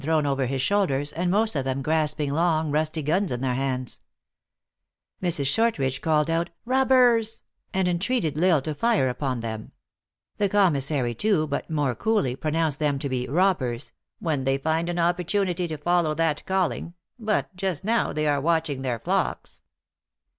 123 thrown over his shoulders, and most of them grasping long, rusty guns in their hands. Mrs. Sliortridge called out " robbers !" and entreated L Isle to tire upon them. The commissary, too, but more coolly, pronounced them to be robbers, " when they find an opportunity to follow that calling ; but, just now, they are watching their flocks."